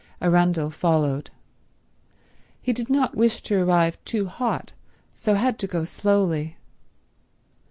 Arundel followed. He did not wish to arrive too hot, so had to go slowly.